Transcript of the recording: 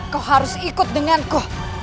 kau harus ikut denganku